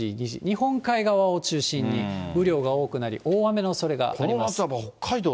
日本海側を中心に雨量が多くなり、大雨のおそれがあります。